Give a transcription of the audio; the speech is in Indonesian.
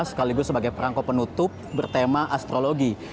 sekaligus sebagai perangko penutup bertema astrologi